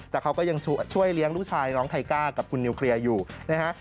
แต่เขาก็ยังช่วยเลี้ยงลูกชายน้องไทก้ากับคุณนิวเคลียร์อยู่นะฮะ